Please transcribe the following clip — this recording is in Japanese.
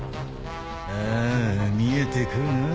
ああ見えてくるなぁ。